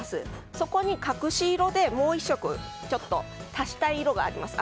そこに隠し色でもう１色、足したい色があります。